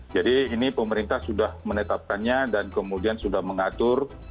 jadi ini pemerintah sudah menetapkannya dan kemudian sudah mengatur